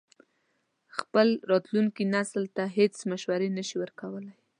خپل راتلونکي نسل ته هېڅ مشورې نه شي ورکولای.